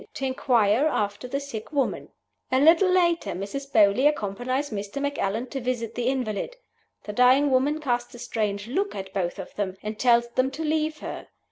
to inquire after the sick woman. A little later Mrs. Beauly accompanies Mr. Macallan to visit the invalid. The dying woman casts a strange look at both of them, and tells them to leave her.